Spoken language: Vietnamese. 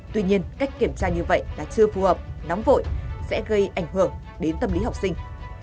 tuy nhiên cách kiểm tra như vậy là chưa phù hợp nóng vội sẽ gây ảnh hưởng đến tâm lý học sinh